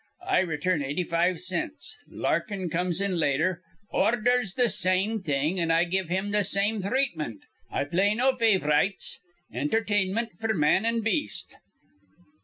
I return eighty five cints. Larkin comes in later, ordhers th' same thing, an' I give him th' same threatment. I play no fav rites. Entertainmint f'r man an' beast."